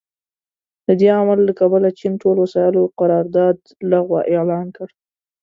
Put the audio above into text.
د دې عمل له کبله چین ټول وسايلو قرارداد لغوه اعلان کړ.